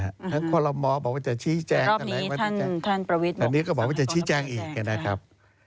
ทั้งความหวังหมอบอกว่าจะชี้แจงแต่รอบนี้ท่านประวิทย์บอกว่าจะชี้แจงอีกนะครับ